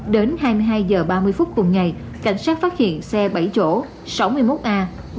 đến hai mươi hai h ba mươi phút cùng ngày cảnh sát phát hiện xe bảy chỗ sáu mươi một a ba mươi một nghìn hai mươi bảy